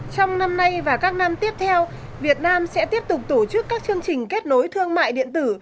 trong năm nay và các năm tiếp theo việt nam sẽ tiếp tục tổ chức các chương trình kết nối thương mại điện tử